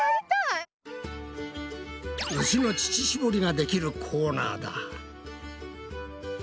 牛の乳しぼりができるコーナーだ！